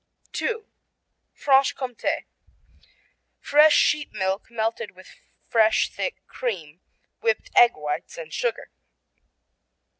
II. Franche Comté fresh sheep milk melted with fresh thick cream, whipped egg whites and sugar.